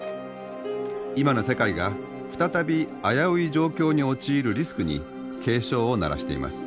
今の世界が再び危うい状況に陥るリスクに警鐘を鳴らしています。